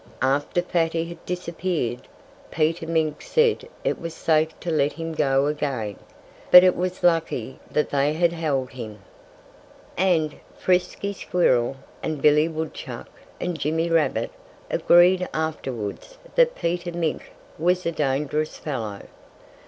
After Fatty had disappeared, Peter Mink said it was safe to let him go again, but that it was lucky they had held him. And Frisky Squirrel and Billy Woodchuck and Jimmy Rabbit agreed afterwards that Peter Mink was a dangerous fellow.